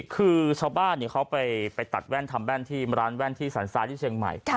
คือชาวบ้านเขาไปตัดแว่นทำแว่นที่ร้านแว่นที่สรรทรายที่เชียงใหม่